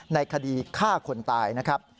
ในคดีฆ่าคนตายนะครับ